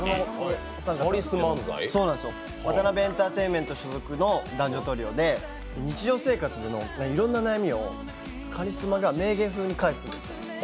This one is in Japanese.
ワタナベエンターテインメント所属の男女トリオで日常生活でのいろんな悩みをカリスマが名言風に返すんです。